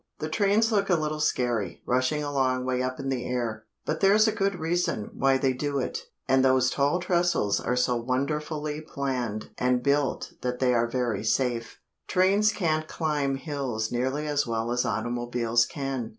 The trains look a little scary, rushing along way up in the air. But there's a good reason why they do it, and those tall trestles are so wonderfully planned and built that they are very safe. Trains can't climb hills nearly as well as automobiles can.